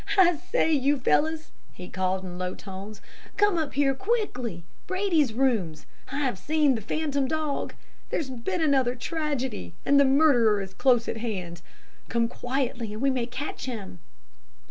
'I say, you fellows,' he called in low tones, 'come up here quickly Brady's rooms. I've seen the phantom dog. There's been another tragedy, and the murderer is close at hand. Come quietly and we may catch him!'